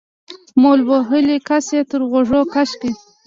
مول وهلي کس يې تر غوږ کش کړ.